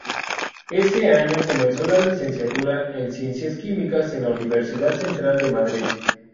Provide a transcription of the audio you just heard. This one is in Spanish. Ese año comenzó la licenciatura en Ciencias Químicas en la Universidad Central de Madrid.